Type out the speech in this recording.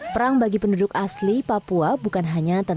perang bagi penduduk asli papua bukan hanya tentang